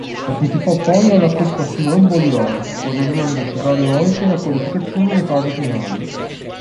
Partecipò poi alla Copa Simón Bolívar, guadagnandosi varie volte la qualificazione alle fasi finali.